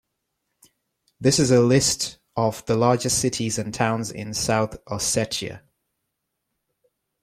This is a list of the largest cities and towns in South Ossetia.